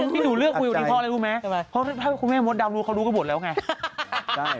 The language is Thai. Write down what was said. พี่หนุ่มเลือกคุยกับพี่พ่อเลยรู้ไหมเพราะถ้าพี่หนุ่มมดดำรู้เขารู้ก็บทแล้วไง